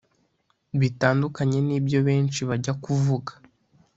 bitandukanye n’ibyo benshi bajya kuvuga